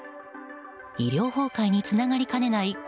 医療崩壊につながりかねない